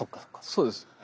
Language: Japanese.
そうです。